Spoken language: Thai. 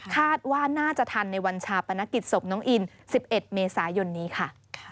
คาดว่าน่าจะทันในวันชาปนกิจศพน้องอิน๑๑เมษายนนี้ค่ะ